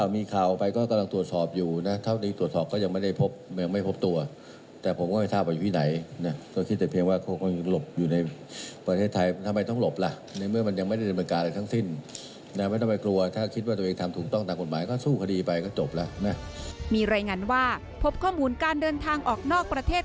มีรายงานว่าพบข้อมูลการเดินทางออกนอกประเทศ